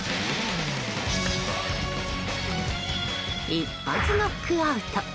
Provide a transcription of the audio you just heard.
一発ノックアウト！